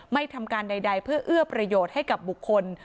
ไม่ทำการใดเพื่อเอื้อประโยชน์ให้กับบุคคล